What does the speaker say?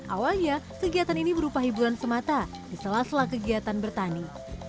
awalnya kegiatan ini berupa hiburan semata di sela sela kegiatan bertani